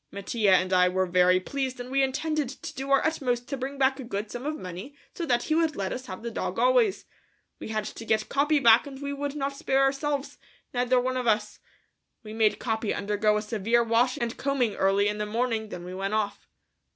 Mattia and I were very pleased and we intended to do our utmost to bring back a good sum of money so that he would let us have the dog always. We had to get Capi back and we would not spare ourselves, neither one of us. We made Capi undergo a severe washing and combing early in the morning, then we went off.